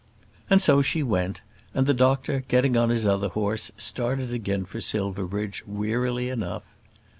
And so she went; and the doctor, getting on his other horse, started again for Silverbridge, wearily enough.